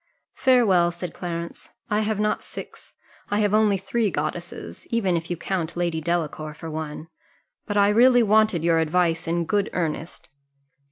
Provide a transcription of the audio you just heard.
"Farewell," said Clarence: "I have not six, I have only three goddesses; even if you count Lady Delacour for one. But I really wanted your advice in good earnest."